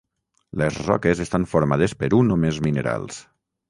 Les roques estan formades per un o més minerals.